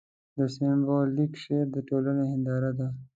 سېمبولیک شعر د ټولنې هینداره ده.